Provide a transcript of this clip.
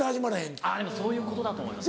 でもそういうことだと思います。